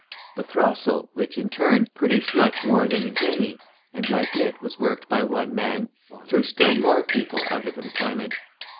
The throstle, which, in turn, produced much more than the jenny, and like it, was worked by one man, threw still more people out of employment.